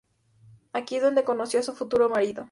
Aquí es donde conoció a su futuro marido.